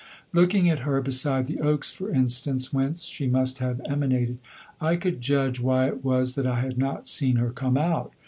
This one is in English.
Looking at her beside the oaks, for instance, whence she must have emanated, I could judge why it was that I had not seen her come out.